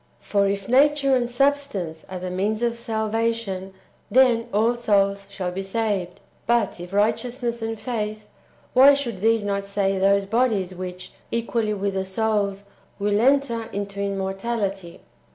For if nature and substance are the means of salvation, then all souls shall be saved ; but if righteousness and faith, why should these not save those bodies wdiich, equally with the souls, will enter^ into immortality